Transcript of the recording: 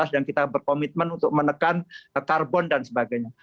dan kita berkomitmen untuk menekan karbon dan sebagainya